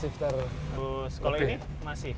kalau ini masih